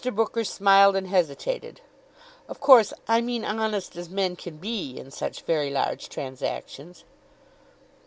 Booker smiled and hesitated. "Of course, I mean honest as men can be in such very large transactions."